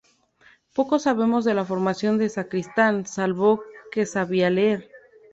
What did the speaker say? Poco sabemos de la formación de Sacristán, salvo que sabía leer.